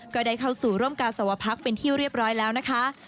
ก็ได้เข้าสู่ร่วมกาสวพักเป็นที่เรียบร้อยแล้วนะคะ